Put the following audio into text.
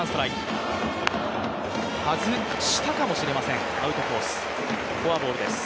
外したかもしれませんアウトコース、フォアボールです。